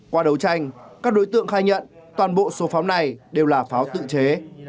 qua đấu tranh các đối tượng khai nhận toàn bộ số pháo này đều là pháo tự chế